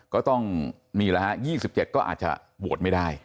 ก็ต้องนี่แหละฮะ๒๗ก็อาจจะโหวตไม่ได้